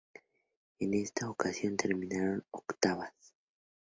En esta ocasión, terminaron octavas.